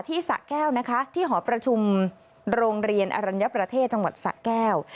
สะแก้วนะคะที่หอประชุมโรงเรียนอรัญญประเทศจังหวัดสะแก้ว